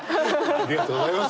ありがとうございます。